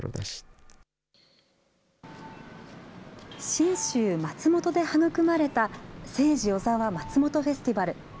信州、松本で育まれたセイジ・オザワ松本フェスティバル。